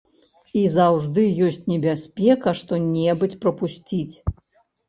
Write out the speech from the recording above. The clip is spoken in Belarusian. І заўжды ёсць небяспека што-небудзь прапусціць.